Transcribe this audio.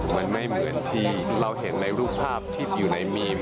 มันไม่เหมือนที่เราเห็นในรูปภาพที่อยู่ในมีม